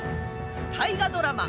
大河ドラマ